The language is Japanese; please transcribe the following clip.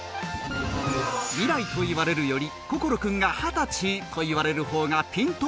「未来」と言われるより「心くんがハタチ」と言われる方がピンとくる